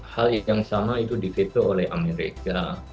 hal yang sama itu dikritik oleh amerika